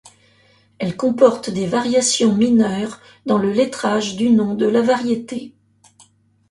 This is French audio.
Elles comportent des variations mineures dans le lettrage du nom de la variété.